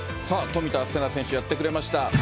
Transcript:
さあ、冨田せな選手、やってくれました。